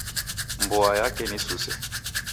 Mboa yape ni suse.